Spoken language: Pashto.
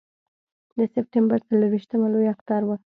د سپټمبر څلرویشتمه لوی اختر و.